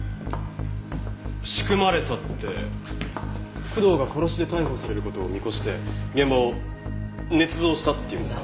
仕組まれたって工藤が殺しで逮捕される事を見越して現場をねつ造したって言うんですか？